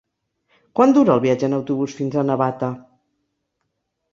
Quant dura el viatge en autobús fins a Navata?